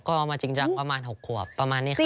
ก็มาจริงจังประมาณ๖ขวบประมาณนี้ครับ